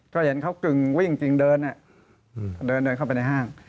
ก็เห็นเขากึ่งวิ่งจริงเดินเดินเข้าไปในห้าง